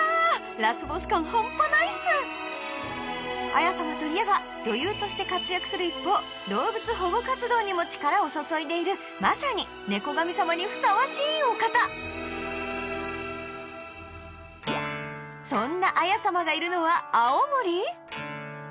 ラスボス感半端ないっす彩さまといえば女優として活躍する一方動物保護活動にも力を注いでいるまさに猫神さまにふさわしいお方そんな彩さまがいるのは青森？